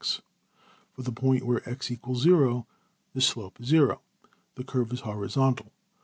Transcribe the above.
\] For the point where $x = 0$, this slope is zero; the curve is horizontal.